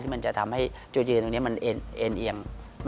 มันจะทำให้จุดยืนตรงนี้มันเอ็นเอียง